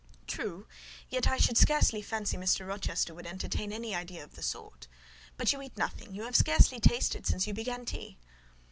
"True: yet I should scarcely fancy Mr. Rochester would entertain an idea of the sort. But you eat nothing: you have scarcely tasted since you began tea."